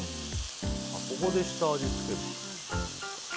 ここで下味つけるんだ。